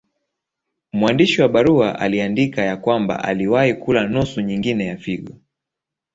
Mwandishi wa barua aliandika ya kwamba aliwahi kula nusu nyingine ya figo.